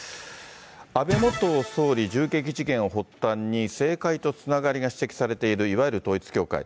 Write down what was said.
安倍元総理銃撃事件を発端に、政界とつながりが指摘されているいわゆる統一教会。